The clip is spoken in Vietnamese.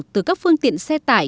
từ các phương tiện xe tải